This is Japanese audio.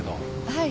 はい。